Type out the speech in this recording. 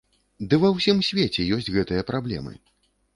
Ды ва ўсім свеце ёсць гэтыя праблемы!